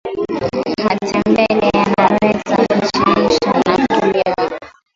matembele yanaweza kuchemsha na kuliwa